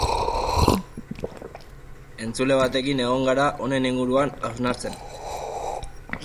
Entzule batekin egon gara honen inguruan hausnartzen.